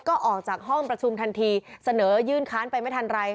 ก็ออกจากห้องประชุมทันทีเสนอยื่นค้านไปไม่ทันไร